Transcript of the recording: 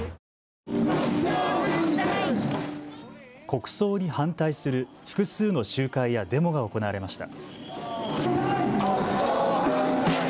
国葬に反対する複数の集会やデモが行われました。